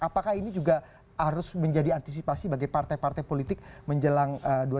apakah ini juga harus menjadi antisipasi bagi partai partai politik menjelang dua ribu sembilan belas